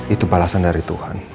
itu balasan dari tuhan